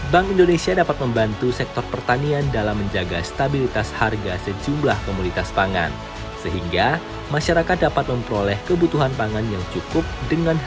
bank indonesia dapat membantu sektor pertanian dalam menjaga stabilitas harga sejumlah komunitas pangan